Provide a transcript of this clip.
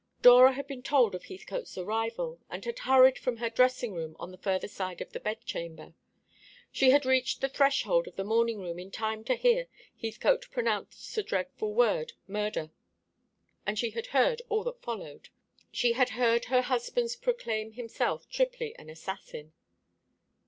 Dora had been told of Heathcote's arrival, and had hurried from her dressing room on the further side of the bedchamber. She had reached the threshold of the morning room in time to hear Heathcote pronounce the dreadful word "Murder," and she had heard all that followed. She had heard her husband's proclaim himself triply an assassin.